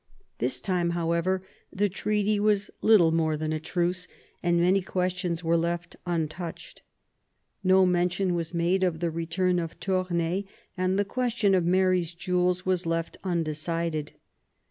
This time, however, the treaty was little more than a truce, and many questions were left un touched ; no mention was made of the return of Toumai, and the question of Mary's jewels was left undecided.